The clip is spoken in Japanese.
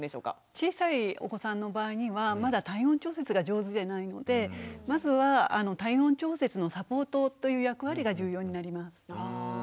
小さいお子さんの場合にはまだ体温調節が上手でないのでまずは体温調節のサポートという役割が重要になります。